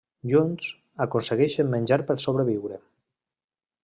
Junts, aconsegueixen menjar per sobreviure.